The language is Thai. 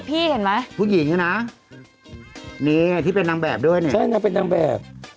พี่เห็นไหมผู้หญิงอ่ะนะนี่ไงที่เป็นนางแบบด้วยเนี่ยใช่นางเป็นนางแบบ